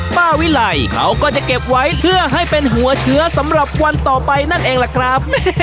วิไลเขาก็จะเก็บไว้เพื่อให้เป็นหัวเชื้อสำหรับวันต่อไปนั่นเองล่ะครับ